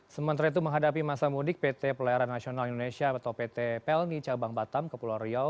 sementara itu menghadapi masa mudik pt pelayaran nasional indonesia atau pt pelni cabang batam ke pulau riau